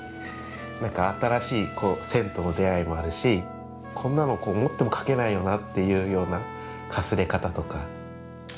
何か新しい線との出会いもあるしこんなの思っても描けないよなっていうようなかすれ方とか。